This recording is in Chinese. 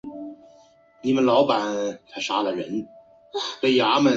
由北周拥立的傀儡政权后梁管理。